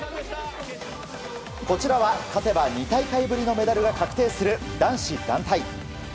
こちらは勝てば２大会ぶりのメダルが確定する男子団体。